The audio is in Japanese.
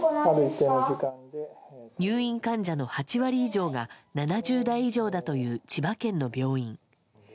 入院患者の８割以上が７０代以上だという千葉県の病院。